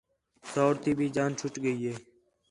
سوڑ تی بھی جان چُھٹ ڳئی ہِے